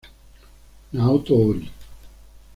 Naoto Hori